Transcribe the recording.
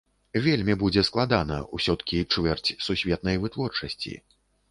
Вельмі будзе складана, усё-ткі чвэрць сусветнай вытворчасці.